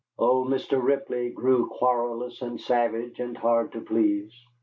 Old Mr. Ripley grew querulous and savage and hard to please.